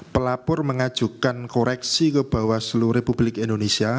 pelapor mengajukan koreksi ke bawah seluruh republik indonesia